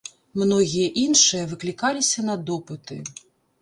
Многія іншыя выклікаліся на допыты.